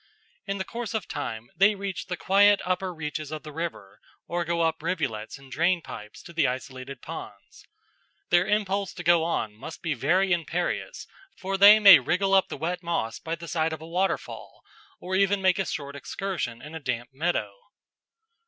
In the course of time they reach the quiet upper reaches of the river or go up rivulets and drainpipes to the isolated ponds. Their impulse to go on must be very imperious, for they may wriggle up the wet moss by the side of a waterfall or even make a short excursion in a damp meadow.